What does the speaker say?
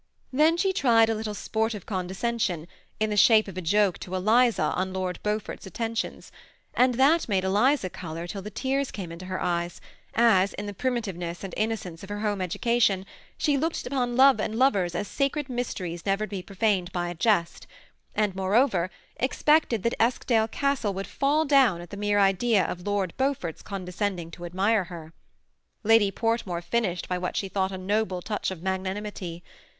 Then she tried a little sportive condescension, in the shape of a joke to Eliza on Lord Beaufort's attentions; and that made Eliza color till the tears came into her eyes, as in the primitiveness and innocence of her home education she looked upon love and lovers as sacred mysteries never to be profaned by a jest ; and, moreover, expected that Eskdale Castle would fall down at the mere idea of Lord Beaufort's condescending to admire her. Lady Portmore finished by what she thought a noble touch of 6* 130 THE SEMI ATTACHED COUPLE. magnanimity.